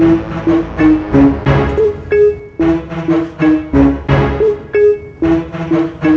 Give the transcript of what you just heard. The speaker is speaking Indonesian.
nama aku dik dik